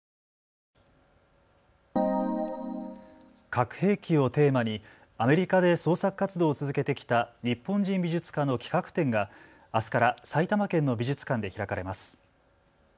核兵器をテーマにアメリカで創作活動を続けてきた日本人美術家の企画展があすから埼玉県の美術館で開かれます。